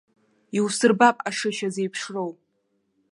Иусырбап ашышьа зеиԥшроу!